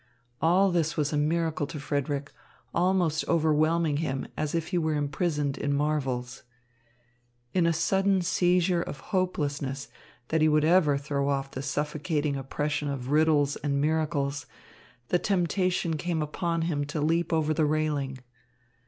All this was a miracle to Frederick, almost overwhelming him, as if he were imprisoned in marvels. In a sudden seizure of hopelessness that he would ever throw off the suffocating oppression of riddles and miracles, the temptation came upon him to leap over the railing.